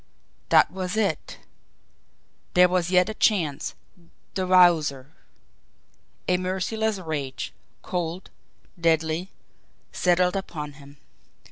That was it! There was yet a chance the Wowzer! A merciless rage, cold, deadly, settled upon him.